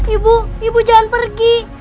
ibu ibu jangan pergi